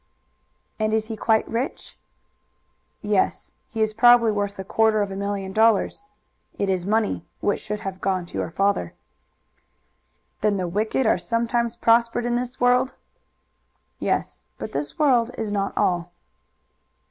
"And is he quite rich?" "Yes; he is probably worth a quarter of a million dollars. It is money which should have gone to your father." "Then the wicked are sometimes prospered in this world?" "Yes, but this world is not all."